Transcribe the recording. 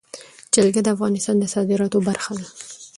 جلګه د افغانستان د صادراتو برخه ده.